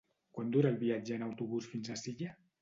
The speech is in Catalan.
Quant dura el viatge en autobús fins a Silla?